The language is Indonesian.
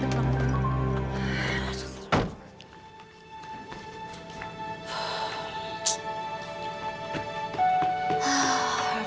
tante belum selesai bicara